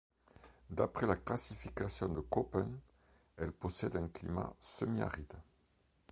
D'après la classification de Köppen, elle possède un climat semi-aride.